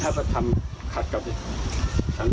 การทำให้มันตามกฎหมายจะพูดมาก